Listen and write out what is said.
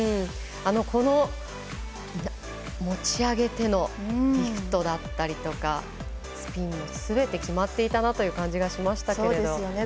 この持ち上げてのリフトだったりとかスピンもすべて決まっていたなという感じがしましたけれども。